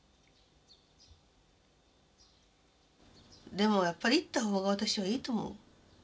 でもやっぱり行った方が私はいいと思う。